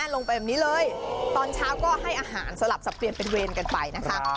ลงไปแบบนี้เลยตอนเช้าก็ให้อาหารสลับสับเปลี่ยนเป็นเวรกันไปนะคะ